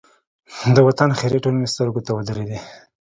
د وطن خیریه ټولنې سترګو ته ودرېدې.